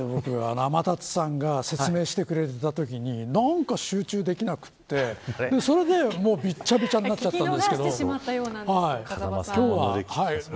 天達さんが説明してくれていたときに何か集中できなくてそれで、びちゃびちゃになっちゃったんです。